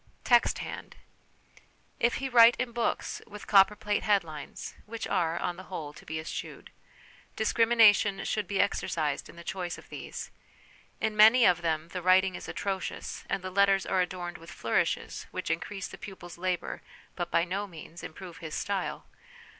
Text hand. If he write in books with copperplate headlines (which are, on the whole, to be eschewed), discrimination should be exercised in the choice of these ; in many of them the writing is atrocious, and the letters are adorned with flourishes which increase the pupil's labour but by no means improve his style.